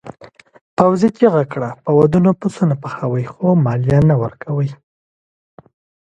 پوځي چیغه کړه په ودونو پسونه پخوئ خو مالیه نه ورکوئ.